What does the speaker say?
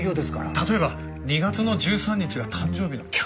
例えば２月の１３日が誕生日の客に。